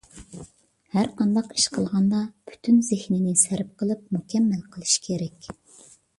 ھەر قانداق ئىش قىلغاندا پۈتۈن زېھنىنى سەرپ قىلىپ، مۇكەممەل قىلىش كېرەك.